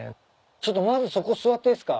ちょっとまずそこ座っていいっすか？